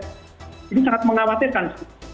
ini sangat mengkhawatirkan